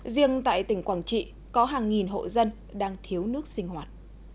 riêng tại tỉnh quảng trị có hàng nghìn hộ dân đang thiếu nước sinh hoạt